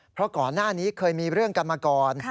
เพราะก่อนหน้านี้เคยมีเรื่องกันมาก่อน